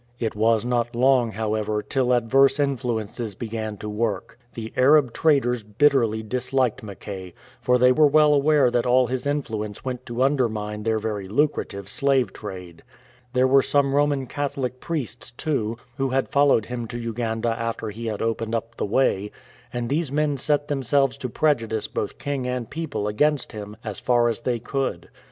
It was not long, however, till adverse influences began to work. The Arab traders bitterly disliked Mackay, for they were well aware that all his influence went to under mine their very lucrative slave trade. There were some Roman Catholic priests, too, who had followed him to Uganda after he had opened up the way, and these men set themselves to prejudice both king and people against him as far as they could.